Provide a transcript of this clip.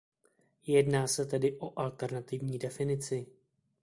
Jedná se tedy o alternativní definici.